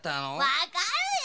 わかるよ。